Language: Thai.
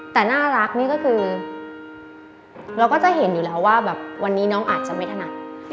แต่น่ารักนี่ก็คือเราก็จะเห็นอยู่แล้วว่าแบบวันนี้น้องอาจจะไม่ถนัด